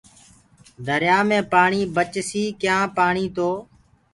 دريآ مي پآڻي بچسي ڪيآنٚ پآڻيٚ تو